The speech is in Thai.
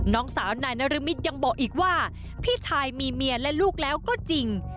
น้องสาวนายนรมิตยังบอกอีกว่าพี่ชายมีเมียและลูกแล้วก็จริง